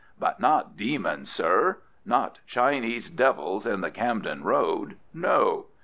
But not demons, sir; not Chinese devils in the Camden Road no.